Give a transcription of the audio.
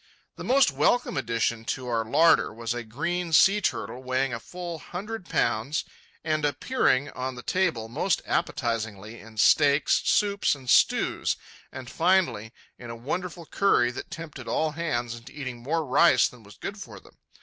The most welcome addition to our larder was a green sea turtle, weighing a full hundred pounds and appearing on the table most appetizingly in steaks, soups, and stews, and finally in a wonderful curry which tempted all hands into eating more rice than was good for them.